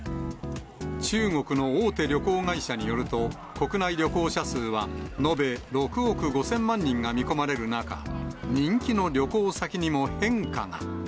中国の大手旅行会社によると、国内旅行者数は、延べ６億５０００万人が見込まれる中、人気の旅行先にも変化が。